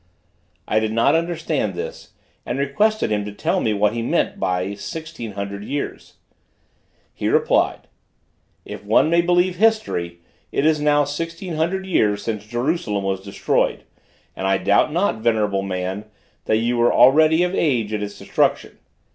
I did not understand this, and requested him to tell me what he meant by sixteen hundred years. He replied: "If one may believe history, it is now sixteen hundred years since Jerusalem was destroyed, and I doubt not, venerable man, that you were already of age at its destruction.